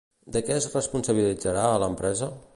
De què es responsabilitzarà a l'empresa?